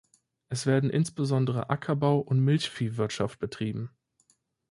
Es werden insbesondere Ackerbau und Milchviehwirtschaft betrieben.